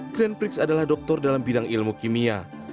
grant briggs adalah doktor dalam bidang ilmu kimia